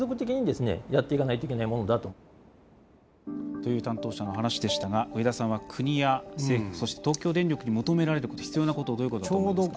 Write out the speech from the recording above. という担当者の話でしたが上田さんは、国や政府そして東京電力に求められること必要なことはどういうことだと思いますか？